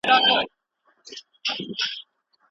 انټرنیټ د علم په ډګر کې یو لوی انقلاب راوستی دی.